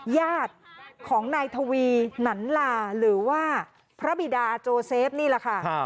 ญาติของนายทวีหนันลาหรือว่าพระบิดาโจเซฟนี่แหละค่ะ